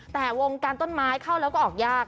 แต่วงการต้นไม้เข้าแล้วก็ออกยาก